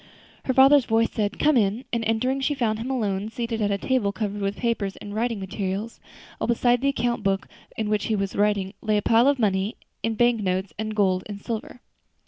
Her father's voice said, "Come in," and entering, she found him alone, seated at a table covered with papers and writing materials, while beside the account book in which he was writing lay a pile of money, in bank notes, and gold and silver.